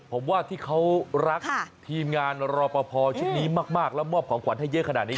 ผมว่าที่เขารักทีมงานรอปภชุดนี้มากแล้วมอบของขวัญให้เยอะขนาดนี้